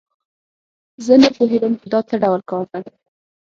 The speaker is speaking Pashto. زه نه پوهیږم چې دا څه ډول کار ده